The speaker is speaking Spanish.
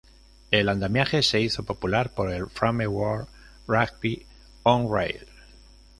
El andamiaje se hizo popular por el framework Ruby on Rails.